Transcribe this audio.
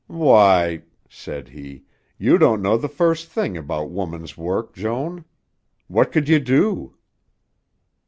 "Why," said he, "you don't know the first thing about woman's work, Joan. What could you do?"